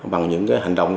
bằng những cái hành động